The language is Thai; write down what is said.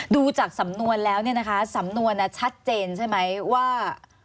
ดูจากสำนวนแล้วเนี่ยนะคะสำนวนชัดเจนใช่ไหมว่า